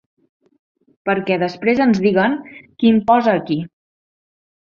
Perquè després ens diguen qui imposa a qui.